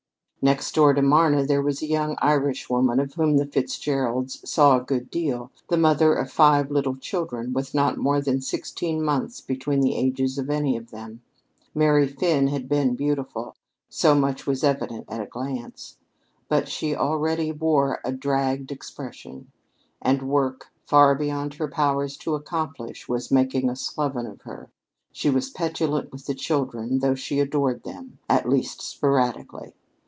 Next door to Marna there was a young Irishwoman of whom the Fitzgeralds saw a good deal, the mother of five little children, with not more than sixteen months between the ages of any of them. Mary Finn had been beautiful so much was evident at a glance. But she already wore a dragged expression; and work, far beyond her powers to accomplish, was making a sloven of her. She was petulant with the children, though she adored them at least, sporadically.